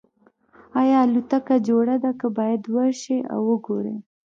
ایا الوتکه جوړه ده که باید ورشئ او وګورئ